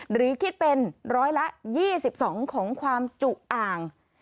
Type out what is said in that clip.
หรือคิดเป็นร้อยละ๒๒ของความจุอ่าง